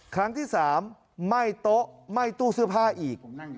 ครั้งที่๓ไหม้โต๊ะไหม้ตู้เสื้อผ้าอีก